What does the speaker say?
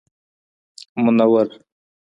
منور